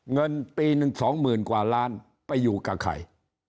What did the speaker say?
เงินปีหนึ่ง๒๐๐๐กว่าล้านไปอยู่กับใคร